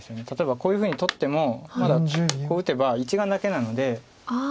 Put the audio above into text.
例えばこういうふうに取ってもまだこう打てば１眼だけなので。